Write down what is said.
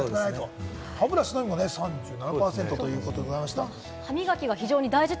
歯ブラシのみは３７％ということでした。